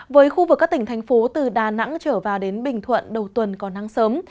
với khu vực các tỉnh thành phố từ đà nẵng trở vào đến bình thuận đầu tuần còn nắng sớm